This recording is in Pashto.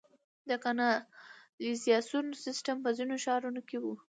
د کانالیزاسیون سیستم په ځینو ښارونو کې و